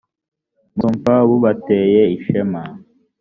muzumva bubateye ishema